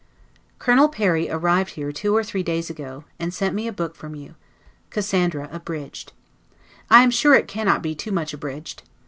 Colonel Perry arrived here two or three days ago, and sent me a book from you; Cassandra abridged. I am sure it cannot be too much abridged.